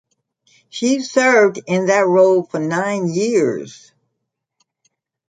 She served in that role for nine years.